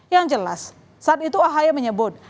yang jelas saat itu ahy menyebut